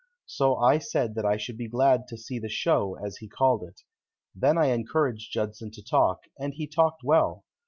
So I said that I should be glad to see the "show," as he called it. Then I encouraged Judson to talk, and he talked well.